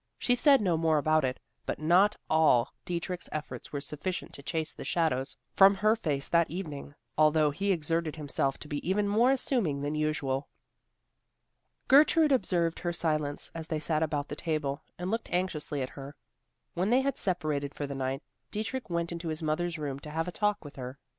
She said no more about it; but not all Dietrich's efforts were sufficient to chase the shadows from her face that evening, although he exerted himself to be even more amusing than usual. Gertrude observed her silence, as they sat about the table, and looked anxiously at her. When they had separated for the night, Dietrich went into his mother's room to have a talk with her.